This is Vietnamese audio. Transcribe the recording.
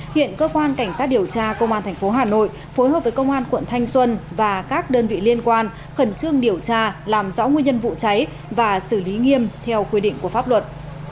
hiện cơ quan cảnh sát điều tra công an tp hà nội phối hợp với công an quận thanh xuân và các đơn vị liên quan khẩn trương điều tra làm rõ nguyên nhân vụ cháy và xử lý nghiêm theo quy định của pháp luật